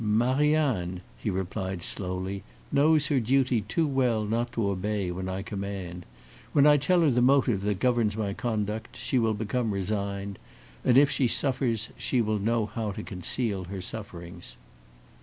"Marie Anne," he replied, slowly, "knows her duty too well not to obey when I command. When I tell her the motive that governs my conduct, she will become resigned; and if she suffers, she will know how to conceal her sufferings."